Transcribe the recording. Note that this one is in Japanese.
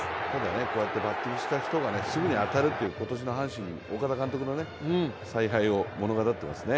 こうやってバッティングした人がすぐに当たるというのがね岡田監督の采配を物語っていますね。